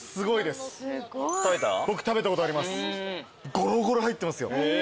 ゴロゴロ入ってますよ。